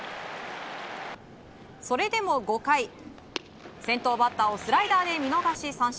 それでも５回、先頭バッターをスライダーで見逃し三振。